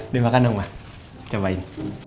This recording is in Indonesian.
dimakan dong mah cobain